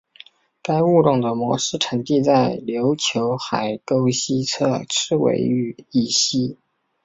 该物种的模式产地在琉球海沟西侧赤尾屿以西。